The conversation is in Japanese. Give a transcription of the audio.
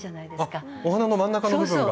あっお花の真ん中の部分が。